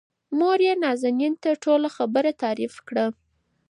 موريې نازنين ته ټوله خبره تعريف کړه.